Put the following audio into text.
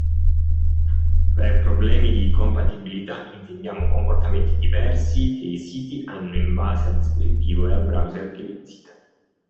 Per problemi di compatibilità intendiamo comportamenti diversi che i siti hanno in base al dispositivo e al browser che li visita.